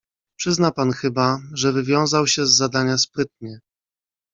"Przyzna pan chyba, że wywiązał się z zadania sprytnie."